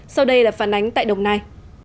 sau đây là phản ánh tại đồng nai